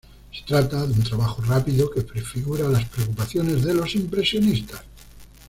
Se trata de un trabajo rápido, que prefigura las preocupaciones de los impresionistas.